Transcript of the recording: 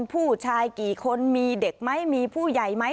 ผู้ชายกี่คนมีเด็กไหมมีผู้ใหญ่ไหม